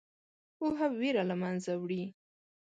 پوهه ویره له منځه وړي.